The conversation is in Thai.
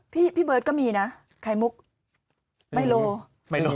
พี่เบิร์ทก็มีนะไข่มุกเมโล